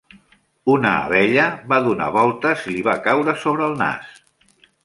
Una abella va donar voltes i li va caure sobre el nas.